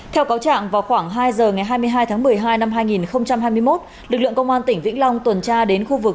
theo cáo trạng vào khoảng hai giờ ngày hai mươi hai tháng một mươi hai năm hai nghìn hai mươi một lực lượng công an tỉnh vĩnh long tuần tra đến khu vực